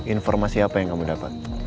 informasi apa yang kamu dapat